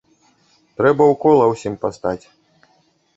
Трэба ў кола ўсім пастаць.